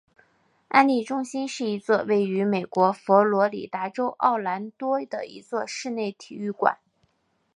安丽中心是一座位于美国佛罗里达州奥兰多的一座室内体育馆。